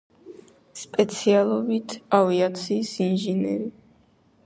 სპეციალობით ავიაციის ინჟინერი.